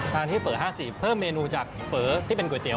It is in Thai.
ทานที่เฝอ๕๔เพิ่มเมนูจากเฝอที่เป็นก๋วยเตี๋ย